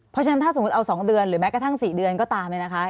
เพราะฉะนั้นถ้าสมมุติเอา๒เดือนหรือแม้กระทั่ง๔เดือนก็ตามเนี่ยนะคะ